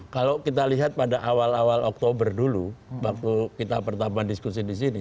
kalau kita lihat pada awal awal oktober dulu waktu kita pertama diskusi di sini